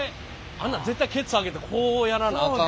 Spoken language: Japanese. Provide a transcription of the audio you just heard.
あんなん絶対ケツ上げてこうやらなあかん。